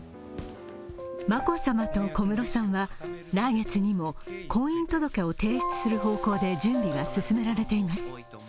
眞子さまと小室さんは来月にも婚姻届を提出する方向で準備が進められています。